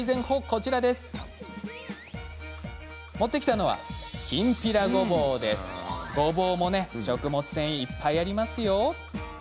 こちらです持ってきたのはごぼうもね食物繊維いっぱいありますよ。